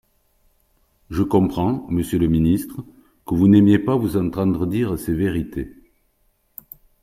Je comprends, monsieur le ministre, que vous n’aimiez pas vous entendre dire ces vérités.